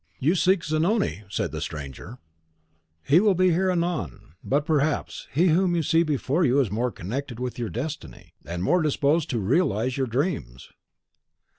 "You seek Zanoni," said the stranger; "he will be here anon; but, perhaps, he whom you see before you is more connected with your destiny, and more disposed to realise your dreams."